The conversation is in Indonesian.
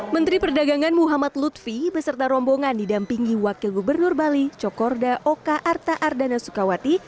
menteri perdagangan muhammad lutfi beserta rombongan didampingi wakil gubernur bali cokorda oka arta ardana sukawati